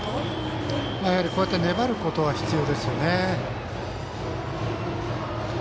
こうやって粘ることは必要ですよね。